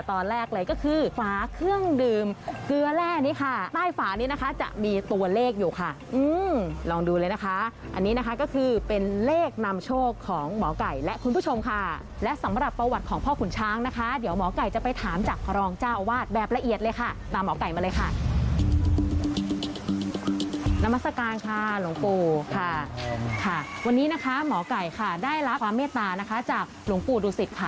โทษค่ะค่ะวันนี้นะคะหมอไก่ค่ะได้รับความเมตตานะคะจากหลวงปู่ดูศิษย์ค่ะ